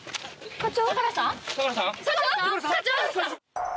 課長！